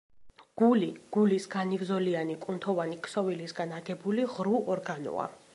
გული, გულის განივზოლიანი კუნთოვანი ქსოვილისაგან აგებული ღრუ ორგანოა.